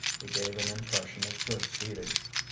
It gave an impression of good feeding.